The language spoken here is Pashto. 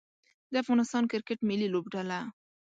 د افغانستان کرکټ ملي لوبډله